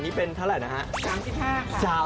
นี่เป็นเท่าไหร่นะฮะ